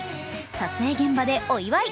撮影現場でお祝い。